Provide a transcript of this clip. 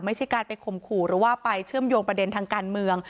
ไม่ใช่การไปข่มขู่หรือว่าไปเชื่อมโยงประเด็นทางการเมือง